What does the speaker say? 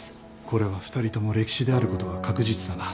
これは２人ともれき死であることは確実だな。